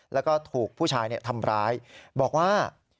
แล้วก็ถูกผู้ชายทำร้ายบอกว่า